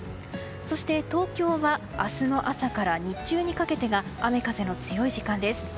そして東京は明日の朝から日中にかけてが雨風の強い時間です。